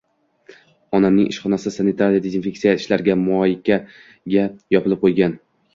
onamning ishxonasi sanitariya-dezinfeksiya ishlariga – «moyka»ga yopilib qolgan.